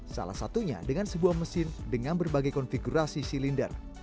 salah satunya dengan sebuah mesin dengan berbagai konfigurasi silinder